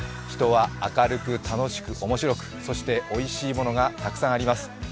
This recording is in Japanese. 人は明るく、楽しく、面白く、そしておいしいものがたくさんあります。